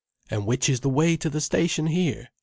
"And which is the way to the station here?"